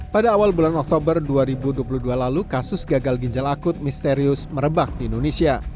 pada awal bulan oktober dua ribu dua puluh dua lalu kasus gagal ginjal akut misterius merebak di indonesia